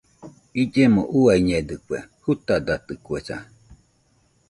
Illemo uiañedɨkue, jutadatɨkuesa.